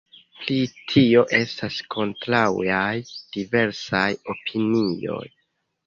Pri tio estas kontraŭaj diversaj opinioj.